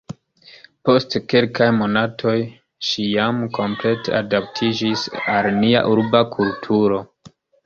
Post kelkaj monatoj, ŝi jam komplete adaptiĝis al nia urba kulturo.